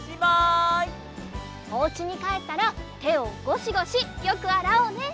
おうちにかえったらてをゴシゴシよくあらおうね！